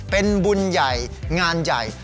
เป็นบุญใหญ่งานใหญ่